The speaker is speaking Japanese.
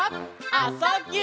「あ・そ・ぎゅ」